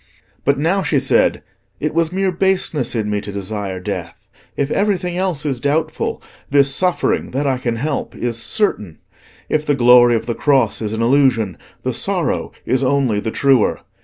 But now she said, "It was mere baseness in me to desire death. If everything else is doubtful, this suffering that I can help is certain; if the glory of the cross is an illusion, the sorrow is only the truer.